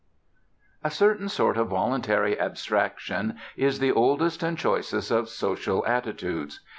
A certain sort of voluntary abstraction is the oldest and choicest of social attitudes.